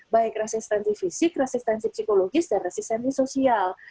baik resistensi fisik resistensi psikologis dan resistensi sosial